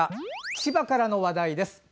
千葉からの話題です。